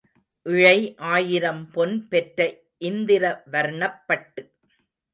இழை ஆயிரம் பொன் பெற்ற இந்திர வர்ணப்பட்டு.